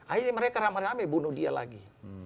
akhirnya mereka rame rame bunuh dia lagi